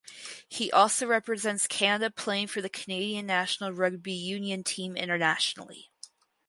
He also represents Canada playing for the Canadian national rugby union team internationally.